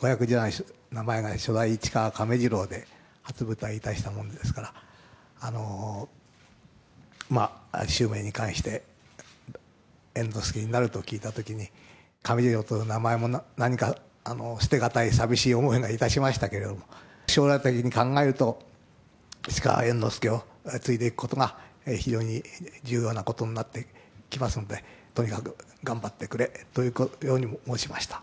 子役時代の名前が市川亀治郎で初舞台出したもんですから、襲名に関して、猿之助になると聞いたときに、亀治郎という名前も何か捨て難い、寂しい思いがいたしましたけれども、将来的に考えると、市川猿之助を継いでいくことが、非常に重要なことになってきますので、とにかく頑張ってくれというように申しました。